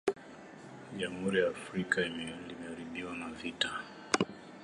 Jamhuri ya Afrika limeharibiwa na vita